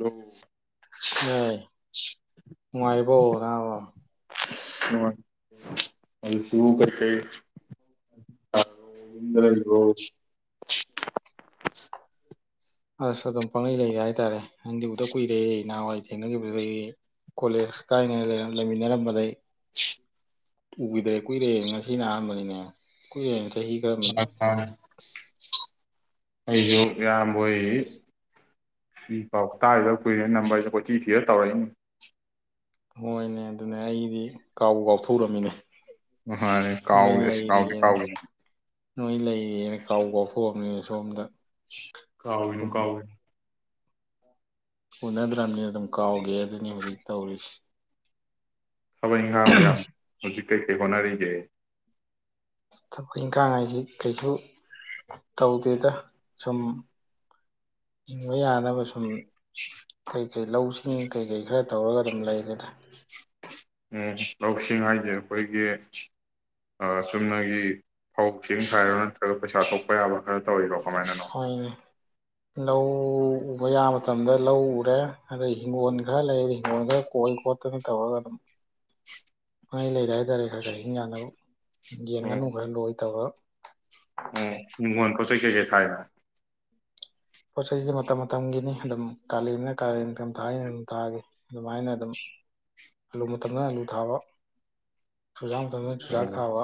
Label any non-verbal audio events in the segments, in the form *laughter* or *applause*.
ꯎꯝ ꯑꯦ ꯍꯅꯨꯡꯉꯥꯏꯔꯤꯕꯣ ꯑ ꯁꯨꯨ ꯀꯠꯇ ꯏ ꯂꯩꯗꯣ ꯑꯁ ꯑꯗꯨꯝ ꯄꯥꯡꯒꯩ ꯂꯩꯒꯦ ꯍꯥꯏꯇꯥꯔꯦ ꯅꯪꯗꯤ ꯎꯛꯇ ꯀꯨꯏꯔꯦ ꯅꯍꯥꯟꯋꯥꯏ ꯊꯦꯡꯅꯈꯤꯕꯗꯨꯗꯒꯤ ꯀꯣꯂꯦꯖ ꯀꯥꯏꯅ ꯂꯩꯃꯤꯟꯅꯔꯝꯕꯗꯒꯤꯩ ꯎꯈꯤꯗ꯭ꯔꯦ ꯀꯨꯏꯔꯦ ꯉꯁꯤꯅ ꯑꯍꯥꯟꯕꯅꯤꯅꯦ ꯀꯨꯏꯔꯦ ꯁꯍꯤ ꯀ ꯃ ꯑꯩꯖꯨ ꯌꯥꯝ ꯍꯣꯏ ꯏ ꯄꯥꯎ ꯇꯥꯔꯗ ꯀꯨꯏꯔꯦ ꯅꯝꯕꯔꯁꯦ ꯀꯣ ꯆꯤ ꯊꯤꯔ ꯇꯧꯔꯛꯏꯅꯤ ꯍꯣꯏꯅꯦ ꯑꯗꯨꯅꯦ ꯑꯩꯗꯤ ꯀꯥꯎ ꯀꯥꯎꯊꯣꯛꯔꯝꯃꯤꯅꯦ ꯃꯈꯥ ꯀꯥꯎꯒ꯭ꯔꯦ ꯀꯥꯎꯗꯤ ꯀꯥꯎꯒ꯭ꯔꯦ꯫ ꯅꯣꯏ ꯂꯩꯔꯤꯌꯦꯅ ꯀꯥꯎ ꯀꯥꯎꯊꯣꯛꯑꯕꯅꯤꯅ ꯁꯣꯝꯗ ꯀꯥꯎꯒꯤꯅꯨ ꯑꯗꯨꯝ ꯀꯥꯎꯒꯤꯅꯨ ꯎꯅꯗ꯭ꯔꯕꯅꯤꯅ ꯑꯗꯨꯝ ꯀꯥꯎꯒꯦ ꯑꯗꯨꯅꯤ ꯍꯧꯖꯤꯛ ꯇꯧꯔꯤꯁꯤ ꯊꯕꯛ ꯏꯪꯈꯥꯡ ꯃꯌꯥꯝ ꯍꯧꯖꯤꯛ ꯀꯩꯀꯩ ꯍꯣꯠꯅꯔꯤꯒꯦ ꯊꯕꯛ ꯏꯪꯈꯥꯡ ꯍꯥꯏꯁꯤ ꯀꯩꯁꯨ ꯇꯧꯗꯦꯗ ꯁꯨꯝ ꯍꯤꯡꯕ ꯌꯥꯅꯕ ꯁꯨꯝ ꯀꯩ ꯀꯩ ꯂꯎꯁꯤ ꯏꯁꯤꯡ ꯀꯩꯀꯩ ꯈꯔ ꯇꯧꯔꯒ ꯑꯗꯨꯝ ꯂꯩꯔꯦꯗ ꯎ ꯂꯧꯁꯤꯡ ꯍꯥꯏꯁꯦ ꯑꯩꯈꯣꯏꯒꯤ ꯑ ꯆꯨꯝꯅꯒꯤ ꯐꯧꯁꯤꯡ ꯈꯥꯏꯔꯣ ꯅꯠꯇ꯭ꯔꯒ ꯄꯩꯁꯥ ꯊꯣꯛꯄ ꯌꯥꯕ ꯈꯔ ꯇꯧꯋꯕꯣ ꯀꯃꯥꯏꯅ ꯍꯣꯏꯅꯦ ꯂꯧ ꯎꯕ ꯌꯥꯕ ꯃꯇꯝꯗ ꯂꯧ ꯎꯔꯦ ꯑꯗꯩ ꯍꯤꯡꯒꯣꯜ ꯈꯔ ꯂꯩ ꯍꯤꯡꯒꯣꯜ ꯈꯔ ꯀꯣꯏ ꯈꯣꯠꯇꯅ ꯇꯧꯔꯒ ꯑꯗꯨꯝ ꯃꯩ ꯂꯩꯔꯦ ꯍꯥꯏꯇꯥꯔꯦ ꯈꯔ ꯈꯔ ꯍꯤꯡ ꯌꯥꯅꯕ ꯌꯦꯟ ꯉꯥꯅꯨ ꯑꯣ ꯈꯔ ꯂꯣꯏ ꯇꯧꯔꯣ ꯑꯣ ꯏꯪꯒꯣꯟ ꯄꯣꯠ ꯆꯩ ꯀꯩꯀꯩ ꯊꯥꯏꯅꯣ ꯄꯣꯠꯁꯤꯗꯤ ꯃꯇꯝ ꯃꯇꯝꯒꯤꯅꯤ ꯑꯗꯨꯝ ꯀꯥꯂꯦꯟꯅ ꯀꯥꯂꯦꯟ ꯃꯇꯝ ꯊꯥ ꯑꯩꯅ ꯑꯗꯨꯝ ꯊꯥꯈꯤ ꯑꯗꯨꯃꯥꯏꯅ ꯑꯗꯨꯝ ꯑꯂꯨ ꯃꯇꯝꯗꯅ ꯑꯂꯨ ꯊꯥꯕ ꯆꯨꯖꯥꯛ ꯃꯇꯝꯗꯅ ꯆꯨꯖꯥꯛ ꯑꯣ ꯊꯥꯕ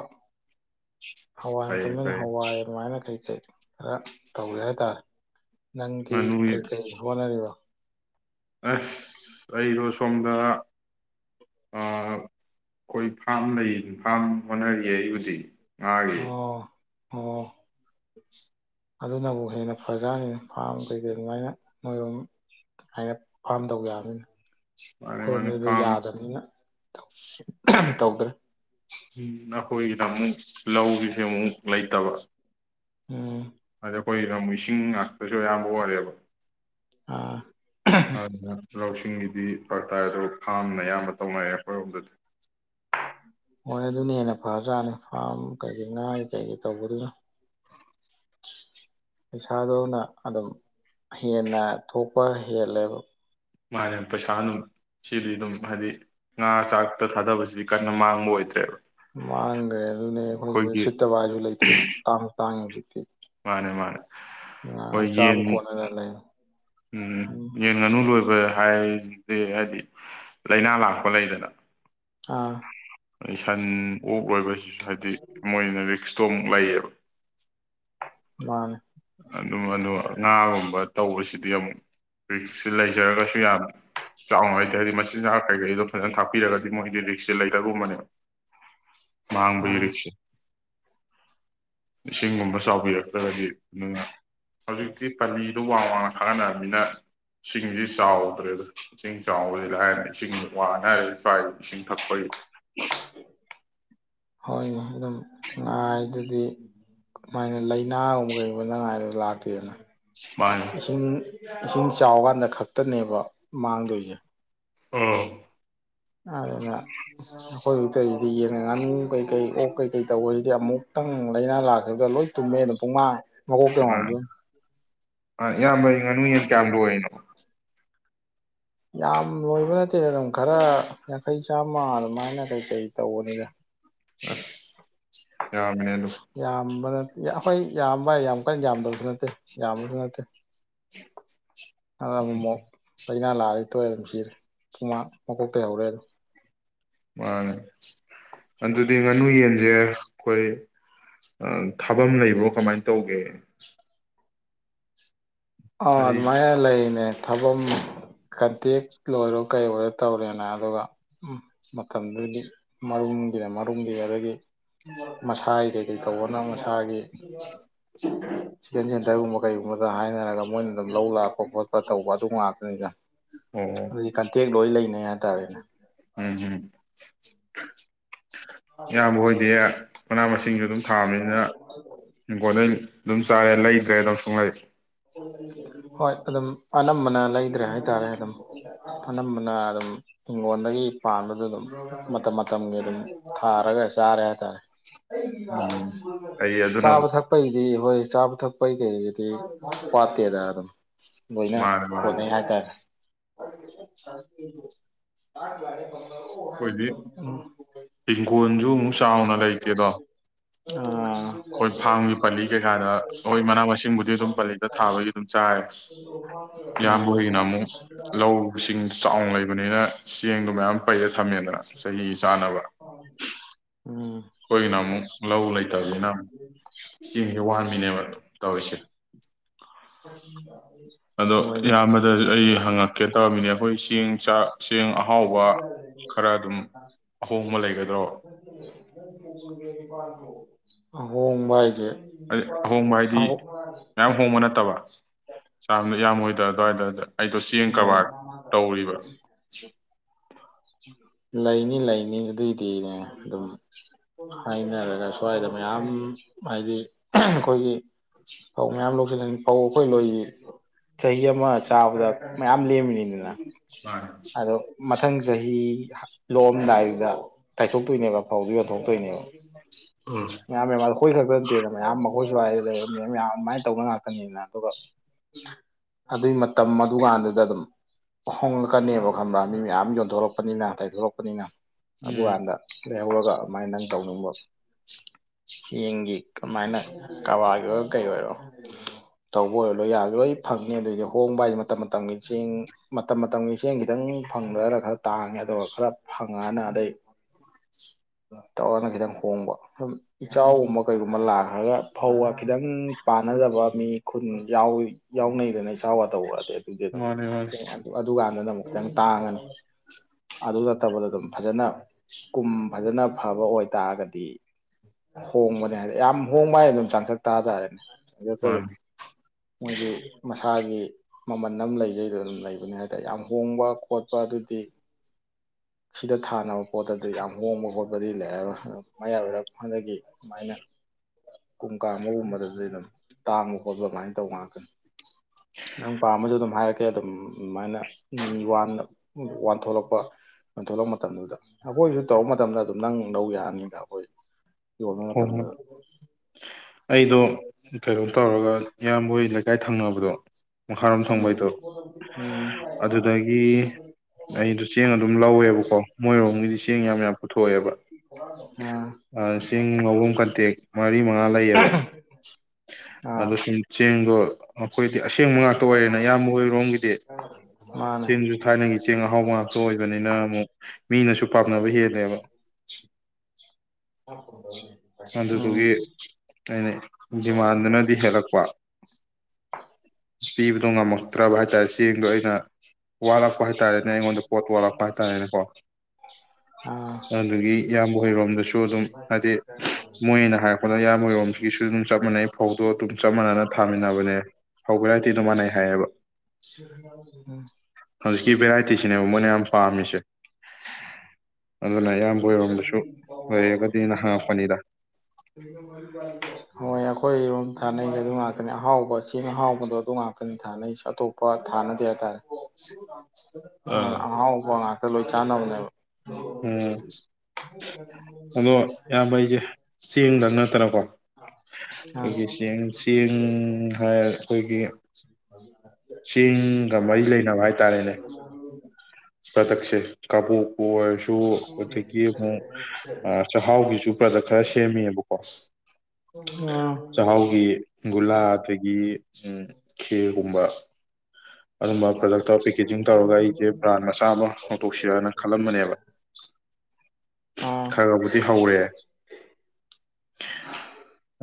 ꯍꯋꯥꯏ ꯐꯩ ꯃꯇꯨꯝꯅꯤꯅ ꯐꯩ ꯍꯋꯥꯏ ꯑꯗꯨꯃꯥꯏꯅ ꯀꯩꯩ ꯀꯩ ꯈꯔ ꯇꯧꯔꯦ ꯍꯥꯏꯇꯥꯔꯦ ꯅꯪꯗꯤ ꯉꯥꯅꯨꯒꯤ ꯀꯩꯀꯩ ꯍꯣꯠꯅꯔꯤꯕ ꯑꯁ ꯀꯔꯤꯅꯣ ꯁꯣꯝꯗ ꯑ ꯑꯩꯈꯣꯏ ꯐꯥꯝ ꯂꯩ ꯐꯥꯝ ꯍꯣꯠꯅꯔꯤꯌꯦ ꯑꯩ ꯍꯧꯖꯤꯛ ꯉꯥꯒꯤ ꯑꯣ ꯑꯣ ꯑꯗꯨꯅꯕꯨ ꯍꯦꯟꯅ ꯐꯖꯅꯤ ꯐꯥꯝ ꯀꯩꯀꯩ ꯑꯗꯨꯃꯥꯏꯅ ꯃꯣꯏꯔꯣꯝ ꯍꯥꯢꯔꯞ ꯐꯥꯝ ꯇꯧ ꯌꯥꯅꯤ ꯃꯥꯅꯦ ꯃꯥꯅꯦ ꯈꯣꯏꯔꯨꯝꯗꯗ ꯑꯗꯨ ꯐꯥꯝ ꯌꯥꯗꯕꯅꯤꯅ ꯇꯧꯗꯔꯦ ꯎ ꯅꯈꯣꯏꯒꯤꯗ ꯑꯃꯨꯛ ꯂꯧꯒꯤꯁꯦ ꯑꯃꯨꯛ ꯂꯩꯇꯕ ꯎꯝ ꯑꯗ ꯑꯩꯈꯣꯏ ꯂꯝ ꯏꯁꯤꯡ ꯉꯥꯛꯇꯁꯨ ꯑꯌꯥꯝꯕ ꯑꯣꯏꯔꯦꯕ ꯑꯥ ꯍ *unintelligible* ꯂꯧꯁꯤꯡꯒꯤꯗꯤ ꯐꯔ ꯇꯥꯏ ꯑꯗꯨꯒ ꯐꯥꯝꯅ ꯑꯌꯥꯝꯕ ꯇꯧꯅꯩꯔꯦ ꯑꯩꯈꯣꯏꯔꯣꯝꯗꯗꯤ ꯐꯥꯖꯥꯅꯤ ꯐꯥꯝ ꯀꯩꯒꯤ ꯉꯥ ꯀꯩꯒꯤ ꯇꯧꯕꯗꯨꯅ ꯄꯩꯁꯥꯗꯣꯅ ꯑꯗꯨꯝ ꯍꯦꯟꯅ ꯊꯣꯛꯄ ꯍꯦꯜꯂꯦꯕ ꯃꯥꯅ ꯄꯩꯁꯥ ꯑꯗꯨꯝ ꯁꯤꯗꯤ ꯑꯗꯨꯝ ꯍꯥꯏꯗꯤ ꯉꯥ ꯆꯥꯛꯇ ꯊꯥꯗꯕꯁꯤꯗꯤ ꯀꯟꯅ ꯃꯥꯡꯕ ꯑꯣꯏꯗ꯭ꯔꯦꯕ ꯃꯥꯡꯈ꯭ꯔꯦ ꯑꯗꯨꯅꯦ ꯑꯩꯈꯣꯏꯁ ꯑꯩꯈꯣꯏꯒꯤ ꯁꯤꯠꯇꯕ ꯍꯥꯏꯁꯨ ꯂꯩꯇꯦ ꯇꯥꯡꯁꯨ ꯇꯥꯡꯉꯤ ꯍꯧꯖꯤꯛ *inaudible* ꯃꯥꯅꯦ ꯃꯥꯅꯦ ꯍꯣꯏ ꯆꯥꯕ ꯌꯦꯟ ꯀꯣꯟꯅꯗꯅ ꯂꯩ ꯎꯝ ꯌꯦꯟ ꯉꯥꯅꯨ ꯂꯣꯏꯕ ꯍꯥꯏ ꯍꯥꯏꯗꯤ ꯂꯥꯏꯅꯥ ꯂꯥꯛꯄ ꯂꯩꯗꯅ ꯑꯥ ꯁꯟ ꯑꯣꯛ ꯂꯣꯏꯕꯁꯦ ꯁꯤꯁꯨ ꯍꯥꯏꯗꯤ ꯃꯣꯏꯅ ꯔꯤꯛ꯭ꯁ ꯆꯣꯡ ꯂꯩꯌꯦꯕ ꯃꯥꯅꯦ ꯑꯗꯨꯝ ꯑꯗꯣ ꯉꯥꯒꯨꯝꯕ ꯇꯧꯕꯁꯤꯗꯤ ꯑꯃꯨꯛ ꯔꯤꯛ꯭ꯁꯁꯦ ꯂꯩꯖꯔꯒꯁꯨ ꯌꯥꯝ ꯆꯥꯎꯅ ꯍꯥꯏꯇꯔꯗꯤ ꯍꯥꯏꯗꯤ ꯃꯆꯤꯟꯖꯥꯛ ꯀꯩꯀꯩꯗꯣ ꯐꯖꯅ ꯊꯥꯛꯄꯤꯔꯒꯗꯤ ꯃꯣꯏꯗꯤ ꯔꯤꯛ꯭ꯁꯁꯦ ꯂꯩꯗꯒꯨꯝꯕꯅꯦꯕ ꯃꯥꯡꯕꯩ ꯃꯥꯅꯦ ꯔꯤꯛ꯭ꯁ ꯏꯁꯤꯡꯒꯨꯝꯕ ꯆꯥꯎꯕꯤꯔꯛꯇ꯭ꯔꯒꯗꯤ ꯑꯗꯨ ꯍꯧꯖꯤꯛꯇꯤ ꯄꯜꯂꯤꯗꯨꯣ ꯋꯥꯡ ꯋꯥꯡꯅ ꯈꯥꯒꯠꯟꯅꯔꯕꯅꯤꯅ ꯏꯁꯤꯡꯁꯤ ꯆꯥꯎꯗ꯭ꯔꯦꯗ ꯏꯁꯤꯡ ꯆꯥꯎꯕꯗꯤ ꯂꯥꯏꯔꯅ ꯏꯁꯤꯡ ꯋꯥꯅ ꯍꯥꯏꯔ ꯁ꯭ꯋꯥꯏꯗ ꯏꯁꯤꯡ ꯊꯛꯄꯒꯤ ꯍꯣꯏꯅꯦ ꯑꯗꯨꯝ ꯉꯥ ꯍꯥꯏꯗꯨꯗꯤ ꯑꯗꯨꯃꯥꯏꯅ ꯂꯩ ꯉꯥꯒꯨꯝꯕ ꯀꯩꯒꯨꯕ ꯅꯪ ꯍꯥꯒꯨꯝꯕ ꯀꯩꯒꯨꯕ ꯅꯪ ꯍꯥꯏꯗ ꯂꯥꯛ *unintelligible* ꯃꯥꯅꯤ ꯏꯁꯤꯡ ꯆꯥꯎꯒꯥꯟꯗ ꯈꯛꯇꯅꯦꯕ ꯃꯥꯡꯗꯣꯏꯁꯦ ꯑꯝ ꯑꯗꯨꯅ ꯑꯩꯈꯣꯏ ꯍꯨꯖꯤꯛ ꯇꯧꯔꯤꯁꯤꯗꯤ ꯌꯦꯟ ꯒ ꯉꯥꯅꯨ ꯀꯩꯀꯩ ꯑꯣꯛ ꯀꯩꯀꯩ ꯇꯧꯕ ꯗꯤ ꯑꯃꯨꯛꯇꯪ ꯂꯥꯏꯅꯥ ꯂꯥꯛꯈꯤꯕꯗ ꯂꯣꯏ ꯇꯨꯝꯃꯦ ꯑꯗꯨ ꯄꯨꯡꯃꯥ ꯃꯀꯣꯛꯀ ꯉꯦꯎꯗꯣꯏꯅꯤ ꯍꯣꯏ ꯏꯌꯥꯝꯕꯩ ꯉꯥꯅꯨ ꯌꯦꯟ ꯀꯌꯥꯝ ꯂꯣꯏꯔꯤꯅꯣ ꯌꯥꯝ ꯂꯣꯏꯕ ꯅꯠꯇꯦ ꯑꯗꯨꯝ ꯈꯔ ꯌꯥꯡꯈꯩ ꯆꯥꯝꯃ ꯑꯗꯨꯃꯥꯏꯅ ꯀꯩꯀꯩ ꯇꯧꯕꯅꯤꯗ ꯑꯁ ꯑꯗꯨ ꯌꯥꯝꯕ ꯅꯠꯇꯦ ꯑꯩꯈꯣꯏ ꯌꯥꯝꯕ ꯍꯥꯏꯁꯦ ꯌꯥꯝ ꯀꯟꯅ ꯌꯥꯝꯕꯁꯨ ꯅꯠꯇꯦ ꯌꯥꯝꯕꯁꯨ ꯅꯠꯇꯦ ꯑꯗꯨꯅ ꯎꯝ ꯑꯃꯣꯛ ꯃꯣꯛ ꯂꯥꯏꯅꯥ ꯂꯥꯛꯑꯗꯤ ꯇꯣꯛꯑꯦ ꯑꯗꯨꯝ ꯁꯤꯔꯦ ꯄꯨꯡꯃꯥꯡ ꯃꯀꯣꯛ ꯇꯩ ꯍꯧꯔꯦ ꯑꯗꯨꯝ ꯃꯥꯅꯦ ꯑꯗꯨꯗꯤ ꯉꯥꯅꯨ ꯌꯦꯟ ꯁꯦ ꯑꯩꯈꯣꯏ ꯊꯥꯕꯝ ꯂꯩꯕ꯭ꯔꯣ ꯀꯃꯥꯏꯅ ꯇꯧꯒꯦ ꯑꯣ ꯑꯗꯨ ꯍꯥꯏꯗꯤ ꯃꯥꯏ ꯅ ꯂꯩꯅꯦ ꯊꯥꯕꯝ ꯀꯟꯇꯦꯛ ꯑꯣꯏꯔꯣ ꯀꯩ ꯑꯣꯏꯔꯣ ꯇꯧꯔꯦꯅ ꯑꯗꯨꯒ ꯃꯇꯝꯗꯨꯒꯤ ꯃꯔꯨꯝꯒꯤꯅ ꯃꯔꯨꯝꯒꯤ ꯑꯗꯒꯤ ꯃꯁꯥꯒꯤ ꯀꯩꯀꯩ ꯇꯧꯕꯅ ꯑꯃ ꯊꯥꯒꯤ ꯇꯔꯨꯨꯝꯕ ꯀꯩꯒꯨꯝꯕꯗ‌ꯣ ꯍꯥꯏꯅꯔꯒ ꯃꯣꯏꯅ ꯑꯗꯨꯝ ꯂꯧ ꯂꯥꯛꯄ ꯈꯣꯠꯄ ꯇꯧꯕ ꯑꯗꯨ ꯉꯥꯛꯇꯅꯤꯗ ꯑꯣ ꯑꯗꯨꯗꯤ ꯀꯟꯇꯦꯛ ꯂꯣꯏ ꯂꯩꯅꯤ ꯍꯥꯏ ꯇꯕꯦꯅꯦ ꯎꯝ ꯍꯝ *inaudible* ꯏꯌꯥꯝꯕ ꯍꯣꯏꯗꯤ ꯄꯅꯥꯃꯁꯤ ꯇꯤꯡꯁꯨ ꯑꯗꯨꯝ ꯊꯥꯕꯅꯤꯅ ꯏꯪꯒ‌ꯣꯟꯗ ꯑꯗꯨꯝ ꯆꯥꯔꯦ ꯂꯩꯗ꯭ꯔꯦ ꯑꯗꯨꯝ ꯁꯨꯛꯂꯩ ꯍꯣꯏ ꯑꯗꯨꯝ ꯑꯅꯝꯕꯅ ꯂꯩꯗ꯭ꯔꯦ ꯍꯥꯏ ꯇꯥꯔꯦ ꯑꯗꯨꯝ ꯑꯅꯝꯕꯅ ꯑꯗꯨꯝ ꯍꯤꯡꯒꯣꯟꯗꯒꯤ ꯄꯥꯟꯕꯗꯨ ꯑꯗꯨꯝ ꯃꯇꯝ ꯃꯇꯝꯒꯤ ꯑꯗꯨꯝ ꯊꯥꯔꯒ ꯆꯥꯔꯦ ꯍꯥꯏ ꯇꯥꯔꯦ ꯎꯝ ꯐꯩ ꯑꯗꯨꯅꯕꯨ ꯆꯥꯕ ꯊꯛꯄꯩꯗꯤ ꯍꯣꯏ ꯆꯥꯕ ꯊꯛꯄꯩ ꯀꯩꯗꯤ ꯋꯥꯠꯇꯦꯗ ꯑꯗꯨꯝ ꯂꯣꯏꯅ ꯃꯥꯅꯦ ꯃꯥꯅꯦ ꯈꯣꯠꯅꯩ ꯍꯥꯏꯇꯥꯔꯦ *inaudible* ꯑꯩꯈꯣꯏꯗꯤ ꯏꯤꯡꯈꯣꯟꯁꯨ ꯑꯃꯨꯛ ꯆꯥꯎꯅ ꯂꯩꯇꯦꯗꯣ ꯑꯥ ꯍꯣꯏ ꯐꯥꯒꯤ ꯄꯜꯂꯤ ꯀꯩꯀꯥꯗ ꯑꯩꯈꯣꯏ ꯃꯅꯥ ꯃꯁꯤꯡꯕꯨꯗꯤ ꯑꯗꯨꯝ ꯄꯂꯦꯗ ꯊꯥꯕꯒꯤ ꯑꯗꯨꯝ ꯆꯥꯏ ꯎꯝ ꯏꯌꯥꯝꯕ ꯑꯣꯏꯗꯅ ꯑꯃꯨꯛ ꯂꯧꯁꯤꯡ ꯆꯥꯎꯅ ꯂꯩꯕꯅꯤꯅ ꯆꯦꯡꯗꯣ ꯃꯌꯥꯝ ꯊꯝꯃꯦꯗꯅ ꯆꯍꯤ ꯆꯥꯅꯕ ꯎꯝ ꯑꯩꯈꯣꯏꯒꯤꯅ ꯑꯃꯨꯛ ꯂꯧ ꯂꯩꯇꯕꯅꯤꯅ ꯑꯃ ꯆꯦꯡꯁꯤ ꯋꯥꯍꯟꯕꯤꯅꯦꯕ ꯇꯧꯔꯤꯁꯦ ꯐ *inaudible* ꯑꯗꯣ ꯏꯌꯥꯝꯕꯗ ꯑꯩ ꯍꯪꯉꯛꯀꯦ ꯇꯧꯔꯝꯃꯤꯅꯦ ꯑꯩꯈꯣꯏ ꯆꯦꯡ ꯆꯥ ꯆꯦꯡ ꯑꯍꯥꯎꯕ ꯈꯔ ꯑꯗꯨꯝ ꯑꯍꯣꯡꯕ ꯂꯩꯒꯗ꯭ꯔꯣ ꯑꯍꯣꯡꯕ ꯍꯥꯢꯖꯦ ꯑ ꯑꯍꯣꯡꯕ ꯍꯥꯏꯗꯤ ꯃꯌꯥꯝ ꯍꯣꯡꯕ ꯅꯠꯇꯕ ꯆꯥꯗ ꯌꯥꯝꯃꯣꯏ ꯀ ꯇꯗ ꯑꯩꯗꯣ ꯆꯦꯡ ꯍꯣꯏ ꯀꯕꯥꯔ ꯇꯧꯔꯤꯕ ꯂꯩꯅꯤ ꯂꯩꯅꯤ ꯑꯗꯨꯏꯗꯤꯅꯦ ꯑꯗꯨꯝ ꯍꯥꯏꯅꯔꯒ ꯁ꯭ꯋꯥꯏꯗ ꯃꯌꯥꯝ ꯍꯥꯏꯗꯤ ꯑꯩꯈꯣꯏꯒꯤ ꯍ ꯃꯌꯥꯝ ꯑꯗꯨ ꯐꯧ ꯑꯩꯈꯣꯏ ꯂꯣꯏ ꯆꯍꯤ ꯑꯃ ꯆꯥꯕꯗ ꯃꯌꯥꯝ ꯂꯦꯝꯃꯤꯅꯤꯗꯅ ꯃꯥ ꯑꯗꯣ ꯃꯊꯪ ꯆꯍꯤ ꯂꯣꯛꯑꯝꯗꯥꯏꯗꯨꯗ ꯇꯥꯏꯊꯣꯛꯇꯣꯏꯅꯦꯕ ꯐꯧꯗꯨ ꯌꯣꯟꯊꯣꯛꯇꯣꯏꯅꯦꯕ ꯎꯝ ꯃꯌꯥꯝ ꯃꯌꯥꯝ ꯑꯈꫭꯏ ꯈꯛꯇ ꯅꯠꯇꯦꯅ ꯃꯌꯥꯝ ꯃꯈꯣꯏ ꯁꯋꯥꯏ ꯂꯩꯃꯥꯏ ꯇꯧꯕ ꯉꯥꯛꯇꯅꯦꯅ ꯑꯗꯨꯒ ꯑꯗꯨꯒꯤ ꯃꯇꯝ ꯑꯗꯨ ꯀꯥꯟꯗꯨꯗ ꯑꯗꯨꯝ ꯍꯣꯡꯉꯛꯀꯅꯦꯕ ꯈꯪꯕꯔꯥ ꯃꯤ ꯃꯌꯥꯝ ꯌꯣꯟꯊꯣꯔꯛꯄꯅꯤꯅ ꯇꯥꯏꯊꯣꯔꯛꯄꯅꯤꯅ ꯎꯝ ꯑꯗꯨꯒꯟꯗ ꯂꯩꯍꯧꯔꯒꯥ ꯁꯨꯃꯥꯏꯅ ꯅꯪ ꯇꯧꯅꯤꯡꯕ ꯆꯦꯡꯒꯤ ꯀꯃꯥꯏꯅ ꯀꯔꯕꯥꯔꯒꯤ ꯑꯣꯏꯔꯣ ꯀꯩ ꯑꯣꯏꯔꯣ ꯇꯧꯕ ꯑꯣꯏꯔꯣ ꯂꯣꯏ ꯌꯥꯔ ꯂꯣꯏ ꯐꯪꯉꯦ ꯑꯗꯨꯏꯗꯤ ꯍꯣꯡꯕ ꯍꯥꯏꯁꯦ ꯃꯇꯝ ꯃꯇꯝꯒꯤ ꯆꯦꯡ ꯃꯇꯝ ꯃꯇꯝꯒꯤ ꯆꯦꯡ ꯈꯤꯇꯪ ꯐꯪꯗꯒ ꯈꯔ ꯇꯥꯡꯉꯦ ꯑꯗꯨꯒ ꯈꯔ ꯐꯪꯉꯅ ꯑꯗꯩ ꯇꯧꯔꯅ ꯈꯤꯇꯪ ꯍꯣꯡꯕ ꯁꯨꯝ ꯎꯝ ꯏꯆꯥꯎꯒꯨꯝꯕ ꯀꯩꯒꯨꯝꯕ ꯂꯥꯛ ꯈꯔꯒ ꯐꯧꯒ ꯈꯤꯇꯪ ꯄꯥꯟꯅꯗꯕ ꯃꯤ ꯈꯨꯟ ꯌꯥꯎꯅꯩꯗꯅ ꯏꯆꯥꯎꯒ ꯇꯧꯔꯗꯤ ꯑꯗꯨ ꯃꯥꯅꯦ ꯃꯥꯅꯦ ꯑꯗꯨ ꯑꯗꯨꯀꯥꯟꯗꯅ ꯑꯃꯨꯛ ꯈꯤꯇꯪ ꯇꯥꯡꯉꯅꯤ ꯑꯗꯨ ꯅꯠꯇꯕꯗ ꯑꯗꯨꯝ ꯐꯖꯅ ꯀꯨꯝ ꯐꯖꯅ ꯐꯕ ꯑꯣꯏꯇꯥꯔꯒꯗꯤ ꯍꯣꯡꯕꯅꯦ ꯍꯥꯏꯗꯤ ꯌꯥꯝ ꯍꯣꯡꯕ ꯍꯥꯏ ꯑꯗꯨꯝ ꯆꯥꯡꯁꯛ ꯇꯥꯇꯥꯔꯦꯅꯦ ꯃꯥꯅꯦ *unintelligible* ꯃꫭꯏꯒꯤ ꯏꯁꯥꯒꯤ ꯃꯃꯜ ꯑꯃ ꯂꯩꯖꯩꯗꯣ ꯑꯗꯨꯝ ꯂꯩꯕꯅꯦ ꯍꯥꯏꯇꯥꯔꯦ ꯌꯥꯝ ꯍꯣꯡꯕ ꯈꯣꯠꯄ ꯑꯗꯨꯗꯤ ꯁꯤꯗ ꯊꯥꯅꯕ ꯄꯣꯠꯇꯗꯤ ꯌꯥꯝ ꯍꯣꯡꯕ ꯈꯣꯠꯄꯗꯤ ꯂꯩꯔꯔꯣꯏ ꯃ ꯑꯣꯏꯔ ꯗꯒꯤ ꯑꯗꯨꯃꯥꯏꯅ ꯄꯨꯡ ꯀꯥꯡꯥ ꯑꯃꯒꯨꯝꯕꯗꯗꯤ ꯑꯗꯨꯝ ꯇꯥꯡꯕ ꯈꯣꯠꯂ ꯑꯗꯨꯃꯥꯏꯅ ꯇꯧ ꯉꯥꯛꯇꯅꯤ ꯅꯪ ꯄꯥꯝꯃꯁꯨ ꯑꯗꯨꯝ ꯍꯥꯏꯔꯛꯦ ꯁꯦ ꯑꯗꯨꯝ ꯑꯗꯨꯃꯥꯏꯅ ꯋꯥꯟ ꯋꯥꯟ ꯊꯣꯛꯂꯛꯄ ꯋꯥꯟ ꯊꯣꯛꯂꯛ ꯃꯇꯝꯗꯨꯗ ꯑꯩꯈꯣꯏꯁꯨ ꯇꯧꯔ ꯃꯇꯝꯗ ꯑꯗꯨꯝ ꯅꯪ ꯂꯧ ꯌꯥꯛꯑꯅꯤꯗ ꯑꯩꯈꯣꯏ ꯌꯣꯟꯕ ꯍꯣꯏ ꯍꯣꯏ ꯃꯇꯝꯗꯨꯗ ꯑꯩꯗꯣ ꯀꯩꯅꯣ ꯇꯧꯔꯒ ꯏꯌꯥꯝꯕꯣꯏ ꯂꯩꯀꯥꯏ ꯊꯪꯅꯕꯗꯣ ꯃꯈꯥꯔꯣꯝ ꯎꯝ ꯊꯪꯕꯩꯗꯣ ꯎꯝ ꯑꯗꯨꯗꯒꯤ ꯑꯩꯗꯣ ꯆꯦꯡ ꯑꯗꯨꯝ ꯂꯧꯋꯦꯕꯀꯣ ꯃꯣꯏꯔꯣꯝꯒꯤꯗꯤ ꯆꯦꯡ ꯌꯥꯝ ꯌꯥꯝ ꯄꯨꯊꯣꯛꯑꯦꯕ ꯑꯥ ꯑ ꯆꯤꯡ ꯂꯧꯕꯝ ꯀꯟꯇꯦꯛ ꯃꯔꯤ ꯃꯉꯥ ꯂꯩꯌꯦꯕ ꯑꯥ ꯑꯗ ꯁꯤꯒ ꯆꯦꯡ ꯗꯣ ꯑꯣꯈꯣꯏ ꯗꯤ ꯑꯁꯦꯡꯕ ꯉꯥꯛꯇ ꯑꯣꯏꯔꯦꯅ ꯑꯌꯥꯝꯕ ꯑꯣꯏꯔꯣꯝꯒꯤꯗꯤ ꯃꯥꯅꯦ ꯆꯦꯡꯁꯨ ꯊꯥꯏꯅꯒꯤ ꯆꯦꯡ ꯑꯍꯥꯎꯕ ꯉꯥꯛꯇ ꯑꯣꯏꯕꯅꯤꯅ ꯑꯃꯨꯛ ꯃꯤꯅꯁꯨ ꯄꯥꯝꯅꯕ ꯍꯦꯜꯂꯦꯕ *inaudible* ꯎꯝ ꯑꯗꯨꯗꯨꯒꯤ ꯑꯩꯅ ꯗꯤꯃꯥꯟꯗꯨꯅꯗꯤ ꯍꯦꯜꯂꯛꯄ ꯄꯤꯕꯗꯣ ꯉꯝꯃꯛꯇ꯭ꯔꯕ ꯍꯥꯏꯇꯥꯔꯦ ꯆꯦꯡꯗꯣ ꯑꯩꯅ ꯋꯥꯠꯂꯛꯄ ꯄ ꯍꯥꯏꯇꯥꯔꯦꯅꯦ ꯑꯩꯉꯣꯟꯗ ꯄꯣꯠ ꯇꯣꯜꯂꯛꯄ ꯍꯥꯏꯇꯥꯔꯦꯅꯦꯀꯣ ꯑꯥ ꯑꯗꯨꯗꯒꯤ ꯏꯌꯥꯝ ꯍꯣꯏꯔꯣꯝꯗꯁꯨ ꯆꯣꯗꯝ ꯑꯗ ꯃꯣꯏꯅ ꯍꯥꯏꯔꯛꯄꯗ ꯏꯌꯥꯝꯃꯔꯣꯝꯁꯤꯒꯤꯁꯨ ꯑꯗꯨꯝ ꯆꯞ ꯃꯥꯟꯅꯩ ꯐꯧꯗꯣ ꯑꯗꯨꯝ ꯆꯞ ꯃꯥꯟꯅꯅ ꯊꯥꯃꯤꯟꯅꯕꯅꯦ ꯐꯧ ꯚꯦꯔꯥꯏꯇꯤ ꯑꯗꯨ ꯃꯥꯟꯅꯩ ꯍꯥꯏꯌꯦꯕ ꯎꯝ ꯍꯧꯖꯤꯛꯀꯤ ꯚꯦꯔꯥꯏꯇꯤꯁꯤꯅꯦꯕ ꯃꯣꯏꯅ ꯌꯥꯝ ꯄꯥꯝꯃꯤꯁꯦ ꯑꯗꯨꯅ ꯑꯌꯥꯝꯕ ꯑꯣꯏꯔꯣꯝꯗꯁꯨ ꯂꯩꯔꯒꯗꯤ ꯅꯍꯥꯟ ꯍꯣꯏ ꯑꯩꯈꯣꯏꯔꯣꯝ ꯊꯥꯅꯩꯒꯦ ꯑꯗꯨ ꯉꯥꯛꯅꯦ ꯍꯥꯎ ꯑꯣ ꯁꯤꯡꯅꯍꯥꯎꯕꯗꯣ ꯑꯗꯨ ꯉꯥꯛꯀꯅꯤ ꯊꯥꯅꯩꯁꯨ ꯑꯇꯣꯞꯄ ꯊꯥꯅꯗꯦ ꯍꯥꯏꯇꯥꯔꯦ ꯑꯥ ꯑ ꯑꯥꯎ *unintelligible* ꯂꯣ ꯆꯥꯅ ꯍꯗꯣ ꯎꯝ ꯑꯗꯣ ꯌꯥꯝ ꯐꯩꯁꯦ ꯆꯦꯡꯗꯪ ꯅꯠꯇꯅꯀꯣ ꯑꯩꯈꯣꯏꯒꯤ ꯆꯦꯡ ꯆꯦꯡ ꯍꯥꯏ ꯑꯩꯈꯣꯏꯒꯤ ꯆꯦꯡꯒ ꯃꯔꯤ ꯂꯩꯅꯕ ꯍꯥꯏꯇꯥꯔꯦꯅꯦ ꯄꯇꯛꯁꯦ ꯀꯥꯕꯨꯨ *inaudible* ꯁꯨ ꯑꯗꯒꯤ ꯑꯃꯨꯛ ꯆꯥꯛꯍꯥꯎꯒꯤꯁꯨ ꯄ꯭ꯔꯗꯛ ꯈꯔ ꯁꯦꯝꯃꯦꯕꯀꯣ ꯑꯥ ꯆꯍꯥꯎꯒꯤ ꯒꯨꯂꯥ ꯑꯗꯒꯤ ꯎ ꯈꯦꯔꯒꯨꯝꯕ ꯑꯗꯨꯝꯕ ꯄ꯭ꯔꯗꯛꯇ ꯄꯦꯛꯀꯦꯖꯤꯡ ꯇꯧꯔꯒ ꯑꯩꯁꯦ ꯕ꯭ꯔꯥꯟ ꯃꯆꯥ ꯑꯃ ꯂꯧꯊꯣꯛꯁꯤꯔꯅ ꯈꯜꯂꯝꯕꯅꯦꯕ ꯑꯥ ꯈꯔ ꯈꯕꯨꯗꯤ ꯍꯧꯔꯦ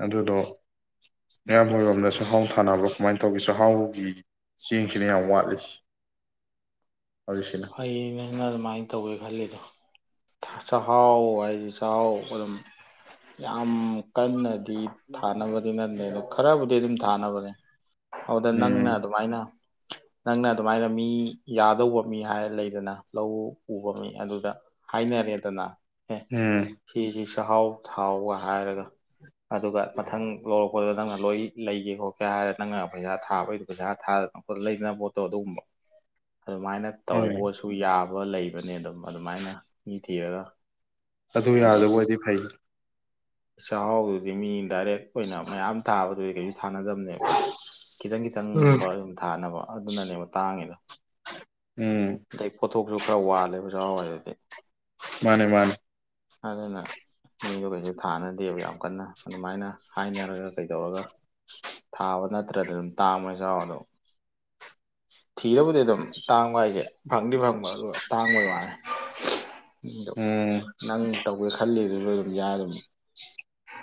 ꯑꯗꯨꯗꯣ ꯃꯌꯥꯝ ꯃꯔꯣꯝꯗ ꯆꯍꯥꯎ ꯊꯥꯅꯕ ꯀꯃꯥꯏꯅ ꯇꯧꯒꯦ ꯆꯥꯛꯍꯥꯎꯒꯤ ꯆꯦꯡꯁꯤꯅ ꯌꯥꯝ ꯋꯥꯠꯂꯤ ꯍꯧꯁꯤꯅ ꯑꯩꯅ ꯑꯗꯨꯃꯥꯏꯅ ꯇꯧꯒꯦ ꯈꯜꯂꯤꯗꯣ ꯆꯥꯛꯍꯥꯎ ꯍꯥꯏꯗꯤ ꯆꯥꯛꯍꯥꯎ ꯑꯗꯨꯝ ꯌꯥꯝ ꯀꯟꯅꯗꯤ ꯊꯥꯅꯕꯗꯤ ꯅꯠꯇꯦ ꯑꯗ ꯈꯔꯕꯨꯗꯤ ꯑꯗꯨꯝ ꯊꯥꯅꯕꯅꯦ ꯑꯗꯨꯗ ꯅꯪꯅ ꯎꯝ ꯑꯗꯨꯃꯥꯏꯅ ꯅꯪꯅ ꯑꯗꯨꯃꯥꯏꯅ ꯃꯤ ꯌꯥꯗꯧꯕ ꯃꯤ ꯍꯥꯏꯔ ꯂꯩꯗꯅ ꯂꯧ ꯎꯕ ꯃꯤ ꯑꯗꯨꯗ ꯍꯥꯏꯅꯔꯦꯗꯅ ꯍ ꯎꯝ ꯁꯤꯁꯤ ꯁꯍꯥꯎ ꯊꯥꯎꯒ ꯍꯥꯏꯔꯒ ꯑꯗꯨꯒ ꯃꯊꯪ ꯂꯧꯔꯛꯄꯗꯨꯗ ꯅꯪꯅ ꯂꯣꯏ ꯂꯩꯒꯦ ꯈꯣ ꯀꯩ ꯍꯥꯏꯔꯦ ꯅꯪꯅ ꯄꯩꯁꯥ ꯊꯥꯕꯩꯗꯨꯣ ꯄꯩꯁꯥ ꯊꯥꯗꯅ ꯂꯩꯅ ꯄꯣꯠꯇꯣ ꯑꯗꯨꯒꯨꯝꯕ ꯑꯗꯨꯃꯥꯏꯅ ꯍꯣꯏ ꯇꯧꯕꯁꯨ ꯌꯥꯕ ꯂꯩꯕꯅꯦ ꯑꯗꯨꯝ ꯑꯗꯨꯃꯥꯏꯅ ꯃꯤ ꯊꯤꯔꯒ ꯑꯗꯨ ꯌꯥꯗꯕ ꯑꯣꯏꯗꯤ ꯐꯩ ꯆꯍꯤꯎꯗꯨꯗꯤ ꯃꯤꯟ ꯗꯥꯏꯔꯦꯛ ꯈ ꯑꯣꯏꯅ ꯃꯌꯥꯝ ꯊꯥꯕ *unintelligible* ꯊꯥꯅꯗꯕꯅꯦꯕ ꯈꯤꯇꯪ ꯎꯝ ꯈꯤꯇꯪꯒꯨꯝꯕ ꯑꯗꯨꯝ ꯊꯥꯅꯕ ꯑꯗꯨꯅꯅꯦꯕ ꯇꯥꯡꯉꯦꯗ ꯎꯝ ꯑꯗꯩ ꯄꯣꯊꯣꯛꯁꯨ ꯈꯔ ꯋꯥꯠꯂꯦ ꯑꯣꯖꯥ ꯍꯋ ꯃꯥꯅꯦ ꯃꯥꯅꯦ ꯑꯗꯨꯅ ꯃꯤꯗꯣ ꯀꯩꯁꯨ ꯊꯥꯅꯗꯦꯕ ꯌꯥꯝ ꯀꯟꯅ ꯑꯗꯨꯃꯥꯏꯅ ꯍꯥꯏꯅꯔꯒ ꯀꯩꯗꯧꯔꯒ ꯊꯥꯕ ꯅꯠꯇ꯭ꯔꯗꯤ ꯑꯗꯨꯝ ꯇꯥꯕ ꯌꯥ ꯑꯗꯣ ꯊꯤꯔꯕꯨꯗꯤ ꯑꯗꯨꯝ ꯇꯥꯡꯕ ꯍꯥꯏꯁꯦ ꯐꯪꯗꯤ ꯐꯪꯕ ꯑꯗꯨꯒ ꯇꯥꯡꯕꯩ ꯋꯥꯅꯤ ꯎꯝ ꯅꯪ ꯇꯧꯒꯦ ꯈꯜꯂꯤ ꯌꯥꯔꯨꯝ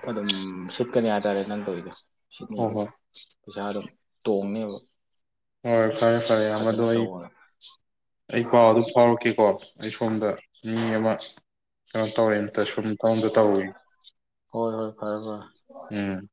ꯑꯗꯨꯝ ꯁꯤꯠꯀꯅꯤ ꯍꯥꯏꯇꯥꯔꯦ ꯅꯪ ꯇꯧꯔꯤꯗꯣ ꯅꯤ ꯍꯣꯏ ꯑꯗꯨꯝ ꯍꯣꯏ ꯄꯁꯥꯗꯝ ꯇꯣꯡꯅꯦꯕ ꯍꯣꯏ ꯐꯔꯦ ꯐꯔꯦ ꯌꯥꯝꯕ ꯑꯗꯣ ꯐꯖꯅ ꯑꯩ ꯇꯧꯕꯗ ꯑꯩ ꯄꯥꯎ ꯑꯗꯨꯝ ꯐꯥꯎꯔꯛꯀꯦꯀꯣ ꯑꯩ ꯁꯣꯝꯗ ꯃꯤ ꯑꯃ ꯀꯩꯅꯣ ꯇꯧꯔꯦꯅ ꯁꯨꯝ ꯊꯕꯛ ꯃꯇ ꯇꯧꯔꯨꯒꯤꯒꯦ ꯍꯣꯏ ꯍꯣꯏ ꯐꯔꯦ ꯐꯔ‌ꯦ ꯎꯝ